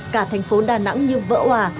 cả thành phố đà nẵng như vỡ hòa